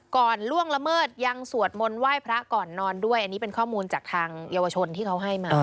ล่วงละเมิดยังสวดมนต์ไหว้พระก่อนนอนด้วยอันนี้เป็นข้อมูลจากทางเยาวชนที่เขาให้มา